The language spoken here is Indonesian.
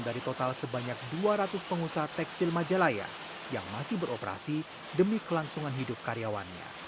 dari total sebanyak dua ratus pengusaha tekstil majalaya yang masih beroperasi demi kelangsungan hidup karyawannya